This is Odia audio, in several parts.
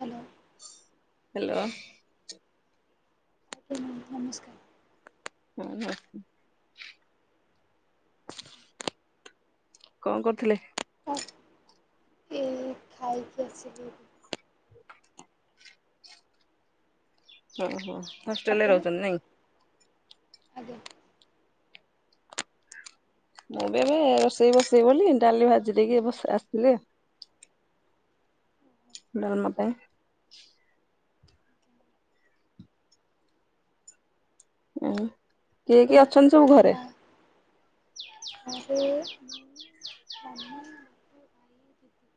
Hello hello. ଆଜ୍ଞା ନମସ୍କାର। ହଁ। କଣ କରୁଥିଲେ? ହ ଏ ଖାଇକି ଆସିଲି। ଓ ହୋ ହଷ୍ଟେଲ ରେ ଆପଣ ରହୁଛନ୍ତି ନାଇଁ। ଆଜ୍ଞା। ମୁଁ ବି ଏବେ ରୋଷେଇ ବସେଇ ବୋଲି ଡାଲି ଭାଜି ଦେଇକି ବ ଆସିଲି। ଡାଲମା ପାଇଁ। ଉଁ କିଏ ଆପଣ କିଏ ଅଛନ୍ତି ସବୁ ଆପଣଙ୍କ ଘରେ? ବା [unintelligible] ଭାଇ ଦିଦି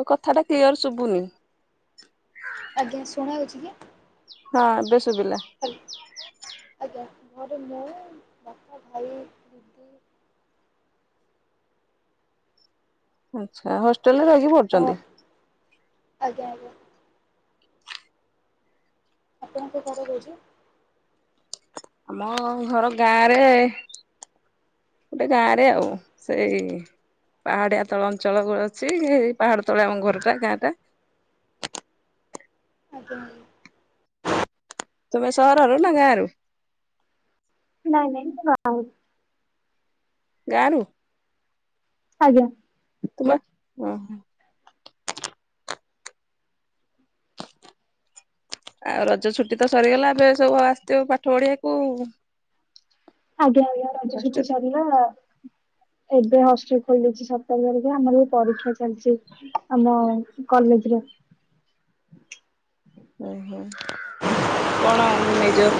ତୋ କଥା ଟା କ୍ଲିଅର ଶୁଭୁନି। ଆଜ୍ଞା ଶୁଣା ହେଉଛି କି? ହଁ ଏବେ ସୁୁଭିଲା। ହ୍ୟାଲୋ ଆଜ୍ଞା ଘରେ ମୁଁ ବାପା ଭାଇ [unintelligible] ଆଚ୍ଛା ହଷ୍ଟେଲ ରେ ରହିକି ଆଉ ପଡୁଛନ୍ତି? ଆପ ଆଜ୍ଞା ଆଜ୍ଞା। ଆପଣଙ୍କ ଘରେ କୋଉଠି? ଆମ ଘର ଗାଁ ରେ ଗୋଟେ ଗାଁରେ ଆଉ ସେଇ ପାହାଡିଆ ତଳ ଅଞ୍ଚଳ ଅଛି ହେଇ ପାହାଡ ତଳେ ଆମ ଘରଟା ଗାଁ ଟା। ଆଜ୍ଞା। ତୁମେ ସହର ରୁ ନା ଗାଁ ରୁ? ନାଇଁ ନାଇଁ ମୁଁ ଗାଁ ରୁ। ଗାଁ ରୁ? ଆଜ୍ଞା। ତୁମ ହ ହ- ଆଉ ରଜ ଛୁଟି ତ ସରିଗଲା ଏବେ ସବୁ ଆସିଥିବ ପାଠ ପଢିବାକୁ? ଆଜ୍ଞା ଆଜ୍ଞା ରଜ ମାଷ୍ଟର ଛୁଟି ସାରିଲା। ଏବେ ହଷ୍ଟେଲ ଖୋଲିଛି ସତର ତାରିଖ ଆମର ବି ପରୀକ୍ଷା ଚାଲିଛି। ଆମ କଲେଜେ ରେ। ଓ ହୋ କଣ ବାନେଇଚ?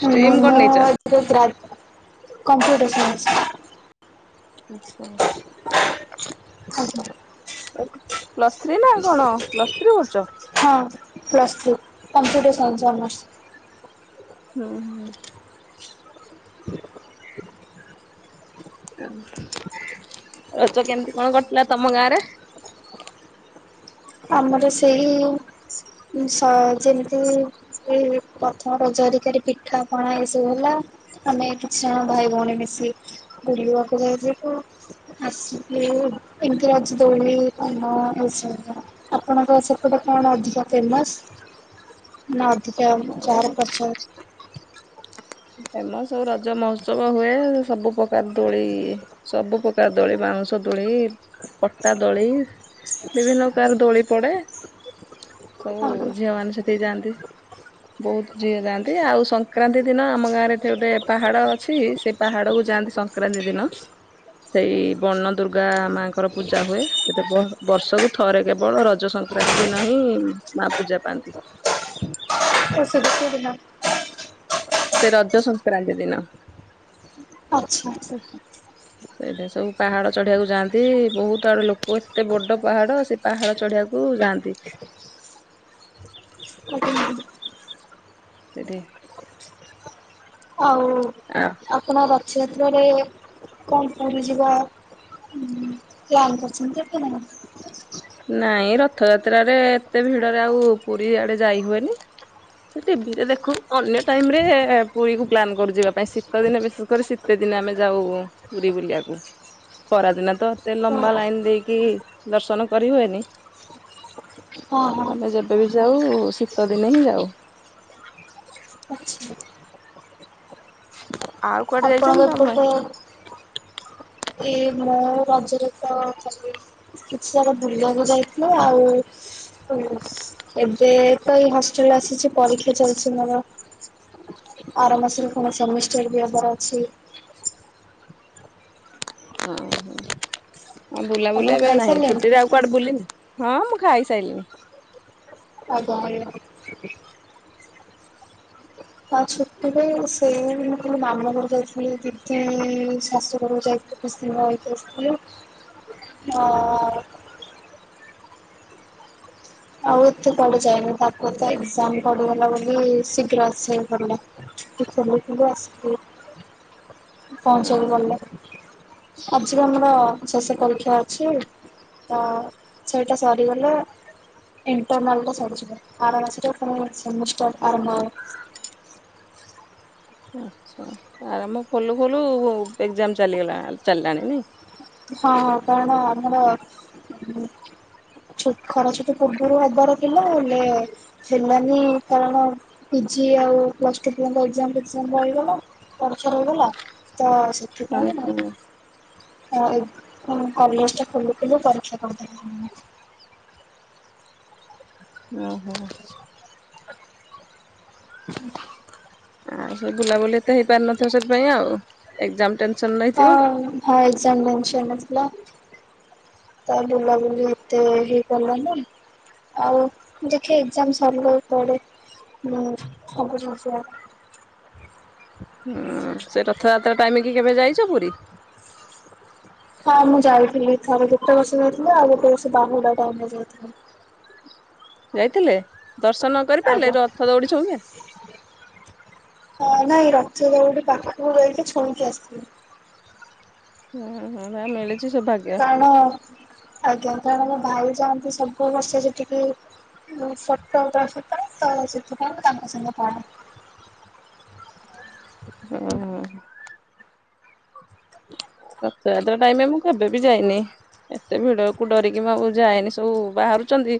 ହୁଁ କଣ ମୁଁ ନେଇଛ? ଏ ଗ୍ରା କମ୍ପ୍ୟୁଟର ସାଇନ୍ସ। ଅଚ୍ଛା। ପ୍ଲୁସ ଥ୍ରୀ ନା କଣ ପ୍ଲୁସ ଥ୍ରୀ କରୁଛ? ହଁ plus three computer science honours. ହୁଁ ହୁଁ। [inaudible] ରଜ କେମିତି କଣ କଟିଲା ତମ ଗାଁରେ। ଆମର ସେଇ ସ ଯେମିତି ପ୍ରଥମ ରଜ ହେରିକାରେ ପିଠା ପଣା ଏ ସବୁ ହେଲା। ଆମେ କିଛି ଜଣ ଭାଇ ଭଉଣୀ ମିଶି ବୁଲିବାକୁ ଯାଇଥିଲୁ। ଆସ ଏମିତିି ରାଜ ଦୋଳି ପାନ ଆପଣଙ୍କ ସେପଟେ କଣ ଅଧିକ ଫେମସ୍। ନା ଅଧିକା ଆମ ଆଡେ ଚାର ପଚାର। ଫେମସ୍ ରଜ ମହୋତ୍ସବ ହୁଏ। ସବୁ ପ୍ରକାର ଦୋଳି ଇଏ ସବୁ ପ୍ରକାର ଦୋଳି ବାଉଁଶ ଦୋଳି ପଟା ଦୋଳି। ବିଭିନ୍ନ ପ୍ରକାର ଦୋଳି ପଡେ। ସବୁ ଝିଅ ମାନେ ସେଠିକି ଯାଆନ୍ତି। ବହୁତ ଝିଅ ଯାଆନ୍ତି। ଆଉ ସଂକ୍ରାନ୍ତି ଦିନ ଆମ ଆମ ଗାଁରେ ଏଠି ଗୋଟେ ପାହାଡ ଅଛି ସେ ପାହାଡ କୁ ଯାଆନ୍ତି ସଂକ୍ରାନ୍ତି ଦିନ। ସେଇ ବନ ଦୁର୍ଗା ମାଙ୍କର ପୂଜା ହୁଏ। ସେ ବର୍ଷକୁ ଥରେ କେବଳ ରଜ ଶଙ୍କ ସଂକ୍ରାନ୍ତି ଦିନ ହିଁ ମା ପୂଜା ପାଆନ୍ତି। [inaudible] ସେ ରଜ ସଂକ୍ରାନ୍ତି ଦିନ। ଆଚ୍ଛା। ଇଟା ସବୁ ପାହାଡ ଚଢିବାକୁ ଯାଆନ୍ତି। ବହୁତ ଆଡୁ ଲୋକ ଏତେ ବଡ ପାହାଡ ସେ ପାହାଡ ଚଢିବାକୁ ଯାଆନ୍ତି। ହ। ଏଠି ଆଉ ଆ ଆପଣ ରଥଯାତ୍ରାରେ କଣ ପୁରୀ ଯିବ ପ୍ଲାନ କରୁଛନ୍ତି ଆପଣ ମାନେ। ନାଇଁ ରଥଯାତ୍ରାରେ ଏତେ ଭିଡରେ ଆଉ ପୁରୀ ଆଡେ ଯାଇ ହୁଏନି। ସେ ଟିଭିରେ ଦେଖୁ। ଅନ୍ୟ ଟାଇମ ରେ ପୁରୀ କ ପ୍ଲାନ୍ କରୁ ଯିବା ପାଇଁ ଶୀତ ଦିନେ ବିଶେଷ କରି ଶୀ ତେ ଦିନ ଆମେ ଯାଉ ପୁରୀ ବୁଲିବାକୁ। ଖରାଦିନ ତ ଏତେ ହଁ ଲମ୍ବା ଲାଇନ ଦେଇକି ଦର୍ଶନ କରି ହୁଏନି। ହଁ ହଁ ଆମେ ଯେବେବି ଯାଉ ଶୀତ ଦିନେ ହିଁ ଯାଉ। ଆଚ୍ଛା। [inaudible] ଯାଇଛନ୍ତି ତମେ? ଆପଣଙ୍କରପଟ ଏଇ ମୋ ରାଜ୍ୟରେ ତ କାଲି କିଛି ସଟା ଭୁଲିବାକୁ ଯାଇଥିଲ ଆଉ ଏବେ ତ ଏଇ ହଷ୍ଟେଲରେ ଆସିଛି ପରୀକ୍ଷା ଚାଲିଛି ମୋର ବର ମାସରେ କଣ ସେମିଷ୍ଟର ବି ହେବାର ଅଛି ଓହୋଉ ଆପଣ ବୁଲାବୁଲି ଏବେ ନାହିଁ ଖାଇସାରିଲେଣି? ଛୁଟିରେ ଆଉ କୁଆଡେ ବୁଲି ନାି ହଁ ମୁଁ ଖାଇ ସାରିଲିିନି ଆଗ ଆଉ ଛୁଟିରେ ସେ ମୁଁ କେ ମାମୁଁ ଘରୁ ଯାଇଥିଲି ଦିଦି ଶାଶୁଘର ଯାଇଥିଲି ଖସିିବାକସି ଆଉ ଏତେ ପଡି ଯଏନି ତାପ ତ ଏଜାମ ପଡିଗଲା ବୋଲି ଶୀଘ୍ର ଆସ ପଡିଲ ସେ ଆସ [unintelligible] ପହଞ୍ଚକୁ ଗଲେ ହଁ ଆଜି ବି ଆମର ଶେଷ ପରୀକ୍ଷା ଅଛି ତ ସେଇଟା ସରିଗଲା ଣ୍ଟର୍ନଲ ସ ଆର ସେମିଷ୍ଟର୍ ଆର ଆଚ୍ଛା ଆରାମ ଖୋଲୁ ଖୋଲୁ ଏକ୍ଜାମ ଚାଲିଗଲା ଚାଲିଲାଣିନ ହଁ ହଁ କାରଣ ଆମର ଛୁଟ ଖରା ଛୁଟି ପୂର୍ବରୁ ହବାର ଥିଲା ହେଲେ ହେଲାନି କାରଣ ପିଜି ଆଉ ପ୍ଲସ୍ଟୁ ପିଲାଙ୍କ ଏକ୍ଜାମ୍ ପିଟିସନ ରହିଗଲା। ପରୀକ୍ଷା ରହିଗଲା ତ ସେଥି ଓ ହୋ। ହଉ ପୁଣି କଲେଜଟା ଖୋଲୁ ଖୋଲୁ ପରୀକ୍ଷା କରିଦେଲେ ଓ ହୋ। ଆଉ ସେ ବୁଲାବୁଲି ଏତେ ହେଇପାରିନଥିବ ସେଥିପାଇଁ ଆଉ। ଏକ୍ସାମ ଟେନସନ୍ ନେ ହଁ ହଁ ଏକ୍ଜାମ ଟେନସନରେ ଥିଲା। ତା ବୁଲାବୁଲି ଏତେ ହେଇପାରି ଲାନି। ଆଉ ଦେଖେ ଏକ୍ଜାମ ସରିଲେ କୁଆଡେ ସବୁ ଜିନିଷ ହୁଁ ସେ ରଥଯାତ୍ରା ଟାଇମ କି କେବେ ଯାଇଛ ପୁରୀ? ହଁ ମୁଁ ଯାଇଥିଲି ଥରେ ଗୋତେ ବର୍ଷ ଯାଇଥିଲି ଆଉ ଗୋଟେ ବର୍ଷ ବାହୁଡଡ଼ା ଟାଇମ୍ ରେ ଯାଇଥିଲି। ଯାଇଥିଲେ ଦର୍ଶନ କରିପାରିଲେ? ଆଜ୍ଞା। ରଥ ଦୌଡିଛୁଇଁଲେ? ହଁ ନାଇଁ ରଥ ଦଉଡି ପାଖକୁ ଯାଇକି ଛୁଇଁକି ଆସିିଥିଲି। ହୁଁ ହୁଁ ତାହେଲେ ମିଳିଛି ସୌଭାଗ୍ୟ। କାରଣ ଆଜ୍ଞା କାରଣ ମୋ ଭାଇ ଯାଆନ୍ତି ସବୁ ବର୍ଷ ସେଠିକି। ଫଟୋଗ୍ରାଫି ପାଇଁ ତ ସେଥିପାଇଁ ମୁଁ ତାଙ୍କ ସାଙ୍ଗେ ପଳାଏ। ଉଁ ହୁଁ। ରଥଜାତ୍ରା ଟାଇମରେ ମୁଁ କେବେ ବି ଯାଇନି। ଏତେ ଭିଡ କ ଡରିକି ମୁଁ ଆଉ ଯାଏନି ସବୁ ବାହାରୁଛନ୍ତି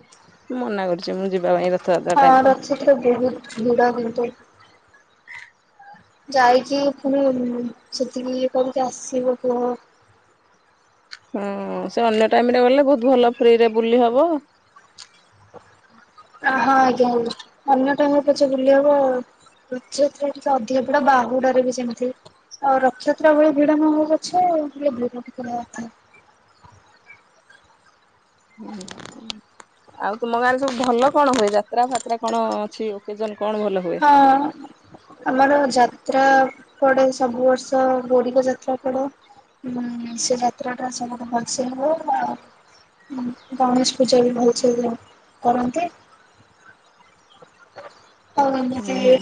ମୁଁ ମନା କରିଛି ମୁଁ ଯିବା ପାଇଁ ରଥଯାତ୍ରା ହଁ ଟାଇମରେ। ରଥଯାତ୍ରା ବହୁତ ଭିଡ ହୁଅନ୍ତୁ। ଯାଇକି ପୁଣି ସେତିକି ଇଏ କରିକି ଆସିବ କୁହ। ହଁ ସେ ଅନ୍ୟ ଟାଇମରେ ଗଲେ ବହୁତ ଭଲ ଫ୍ରିରେ ବୁଲିହବ। ଆ ହଁ ଆଜ୍ଞାହଉ ଅନ୍ୟ ଟାଇମରେ ପଛେ ବୁଲି ହବ ଆଉ। ରଥଯାତ୍ରାଠୁ ତ ଅଧିକପୁରା ବାହୁଡ଼ାରେ ବି ସେମତି। ଆଉ ରଥଯାତ୍ରା ଭଳି ଭିଡ ମହବ ଅଛ ହେଲେ ଭିଡ଼ ଟିକେ ଅଥା ହୁଁ। ଆଉ ତୁମ ଗାଁରେ ସବୁ ଭଲ କଣ ହୁଏ ଯାତ୍ରା ଫାତ୍ରା କଣ ଅଛି ଓକେଜନ କଣ ଭଲ ହୁଏ? ହଁ। ଆମର ଯାତ୍ରା ପଡେ ସବୁ ବର୍ଷ ବୋରିକ ଯାତ୍ରା ପଡେ। ହୁଁ ସେ ଯାତ୍ରାଟା ସବୁଠୁ ଭଲସେ ହବ ଆଉ ଗଣେଶ ପୂଜା ବି ଭଲସେ କରନ୍ତି। ଆଉ ହୁଁ ଏମିତି ହୁଏ। ହୁଁ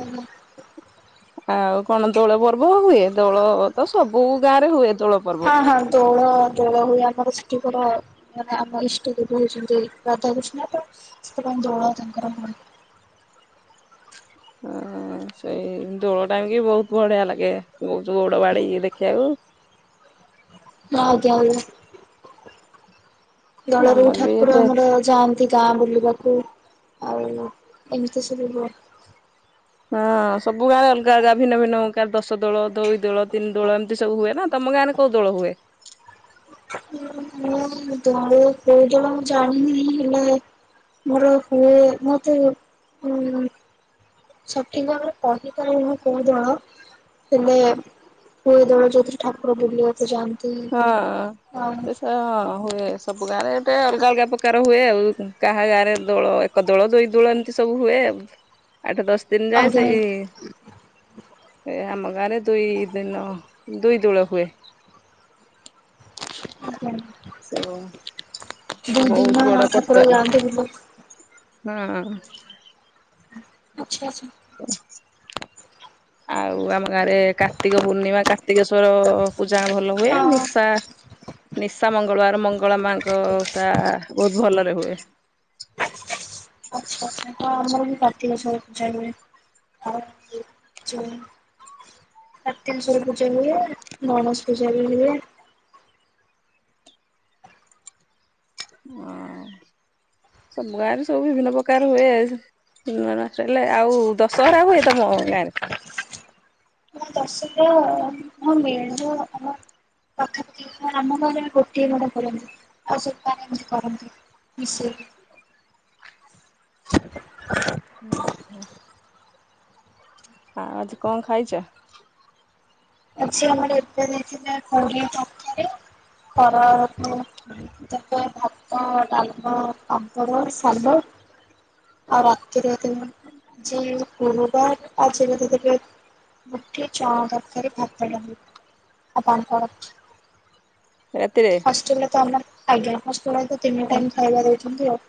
ହୁଁ ଆଉ କଣ ଦୋଳ ପର୍ବ ହୁଏ ଦୋଳତ ସବୁଗାଁରେ ହୁଏ ଦୋଳ ପର୍ବ। ହଁ ହଁ ଦୋଳ ଦୋଳ ହୁଏ ଆମର ସେଠିକୁଡା ମାନେ ଆମ ଇଷ୍ଟ ଦେବୀ ହେଉଛନ୍ତି ରାଧାକୃଷ୍ଣ ତ ସେଥିପାଇଁ ଦୋଳ ତାଙ୍କର ହୁଏ। ହଁ ସେଇ ଦୋଳ ଟାଇମକି ବହୁତ ବଢିଆ ଲାଗେ ଜଉ ଗଉଡବାଡି ଦେଖିବାପାଇଁ। ଆ୍ଞ ଆ [inaudible] ଦୋଳରେ ଆମର ବି ଠାକୁର ଏତେ ଆମର ଯାଆନ୍ତି ଗାଁ ବୁଲିବାକୁ ଆଉ ଏମିତି ସବୁ ହୁଏ। ହଁ ସବୁ ଗାଁରେ ଅଲଗା ଅଲଗା ଭିନ୍ନ ଭିନ୍ନ କାର ଦଶ ଦୋଳ ଦୁଇ ଦୋଳ ତିନି ଦୋଳ ଏମିତି ସବୁ ହୁଏ ନା ତମ ଗାଁରେ କଉ ଦୋଳ ହୁଏ? ମୁଁ ଦୋଳ କୋଉ ଦୋଳ ମୁଁ ଜାଣିନି ହେଲେ ମୋର ହୁଏ ମୋତେ ସଠିକ ଭାବରେ କହିପାରିବିନି ମୁଁ କଉ ଦୋଳ। ହେଲେ ହୁଏ ଦୋଳ ଯୋଉଥିରେ ଠାକୁର ବୁଲେ ଯାଆନ୍ତି। ଆଉ ହଁ ସେ ହଁ ହୁଏ ସବୁ ଗାଁରେ ଗୁଟେ ଅଲଗା ଅଲଗା ପ ଉପକାର ହୁଏ। ଆଉ କାହା ଗାଁରେ ଦୋଳ ଏକ ଦଳ ଦୁଇ ଦଳ ଏମିତି ସବୁ ହୁଏ ଆଉ। ଆଠ ଦଶ ଦିନ ଯାଏ ଆଜ୍ଞା ସେଇ ଏ ଆମ ଗାଁରେ ଦୁଇ ଦିନ ଦୁଇ ଦୋଳ ହୁଏ। ଆଜ୍ଞା। ଓ ଦୁଇ ଦିନ ବହୁତ ବଡ ଠାକୁର ପକାରେ ଯାଆନ୍ତି ବୁଲିବାକୁ ହଁ। ଆଚ୍ଛା ଆଛା। ଆଉ ଆମ ଗାଁରେ କାର୍ତ୍ତିକ ପୂର୍ଣ୍ଣିମା କାର୍ତ୍ତିକେଶ୍ଵର ପୂଜା ଭଲ ହୁଏ। ହଁ। ନିଶା ନିଶା ମଙ୍ଗଳବାର ମଙ୍ଗଳା ମାଙ୍କ ଓଷା। ବହୁତ ଭଲରେ ହୁଏ। ଆଚ୍ଛା ଆଚ୍ଛା ଆମର ବି କାର୍ତିକଶ୍ୱର ପୂଜା ହୁଏ। [unintelligible] କାର୍ତିକଶ୍ୱର ପୂଜା ହୁଏ। ଗଣେଶ ପୂଜା ବି ହୁଏ। ହଁ ସୁ ଗାଁରେ ସବୁ ବିଭିନ୍ନ ପ୍ରକାର ହୁଏ ଆ ମାସ ହେଲେ ଆଉ ଦଶହରା ହୁଏ। ତମ ଗାଁରେ ସେ ହଁ [unintelligible] ପାଖପାଖି ଆମ ଘରେ ବି ଗୋଟିଏ ମାନେ କରନ୍ତି ଆଉ ସପାନ ଏମିତି କରନ୍ତି। ମିଶେଇକି। ହୁଁ ହ। ଆଉ ଆଜି କଣ ଖାଇଛ? ଆଜି ଆମର ଏବେ ହେଇଥିଲା ପୁରୀ ତରକାରୀ ଖରା ବେଳେ ତାପ ଭାତ ଡାଲମା ପାମ୍ପଡ଼ ସାଲଟ ଆଉ ରାତିରେ [unintelligible] ଆଜି ଗୁରୁ ବାର [unintelligible] ମୁଠି ଚଣା ତରକାରୀ ଭାତ ଡାଲମା ଆଉ ପାମ୍ପଡ। ରାତିରେ? ହଷ୍ଟେଲରେ ତ ଆମ ଆଜ୍ଞା ହଷ୍ଟେଲରେ ତ ତିନି ଟାଇମ ଖାଇବା ଦଉଛନ୍ତି ଆଉ।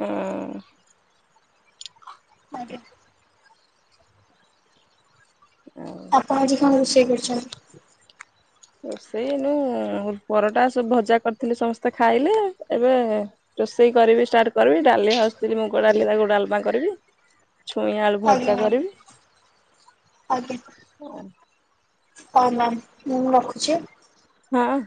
ହଁ। ଆଜ୍ଞା। [unintelligible] ଆପଣ ଆଜି କଣ ରୋଷେଇ କରିଛନ୍ତି? ରୋଷେଇ ଏନୁ ପରଟା ସବୁ ଭଜା କରିଥିଲି ସମସ୍ତେ ଖାଇଲେ ଏବେ ରୋଷେଇ କରିବି ଷ୍ଟାର୍ଟ କରିବି। ଡାଲି ହସଥିଲି ମୁଗ ଡାଲି ତାକୁ ଡାଲମା କରିବି। ଛୁଇଁ ଆଳୁ ଆଜ୍ଞା ଭଜା ମ୍ୟାମ୍ କରିବି। ହଁ ମ୍ୟାାମ ମୁଁ ରଖୁଛି। ହଁ।